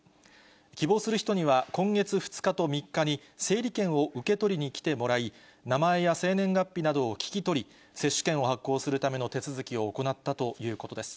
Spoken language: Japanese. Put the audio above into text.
希望する人には今月２日と３日に、整理券を受け取りに来てもらい、名前や生年月日などを聞き取り、接種券を発行するための手続きを行ったということです。